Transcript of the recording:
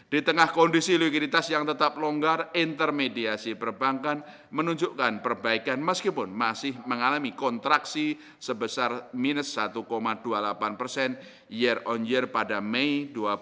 di tengah kondisi likuiditas yang tetap longgar intermediasi perbankan menunjukkan perbaikan meskipun masih mengalami kontraksi sebesar minus satu dua puluh delapan persen year on year pada mei dua ribu dua puluh